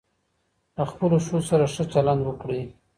له خپلو ښځو سره ښه چلند وکړئ.